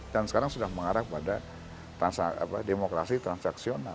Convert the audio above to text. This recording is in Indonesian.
dan sekarang sudah mengarah pada demokrasi transaksional